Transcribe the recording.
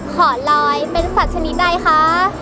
ขอลอยเป็นสัตว์ชนิดใดคะ